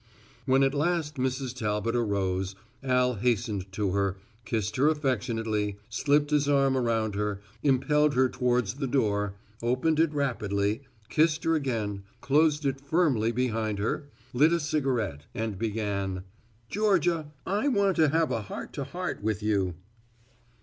When at last Mrs. Talbot arose, Al hastened to her, kissed her affectionately, slipped his arm around her, impelled her towards the door, opened it rapidly, kissed her again, closed it firmly behind her, lit a cigarette, and began: "Georgia, I want to have a heart to heart with you."